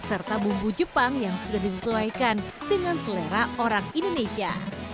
serta bumbu jepang yang sudah disesuaikan dengan selera orang indonesia